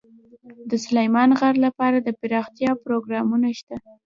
د سلیمان غر لپاره دپرمختیا پروګرامونه شته.